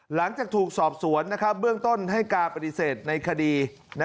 หลังจากถูกสอบสวนเบื้องต้นให้การปฏิเสธในคดี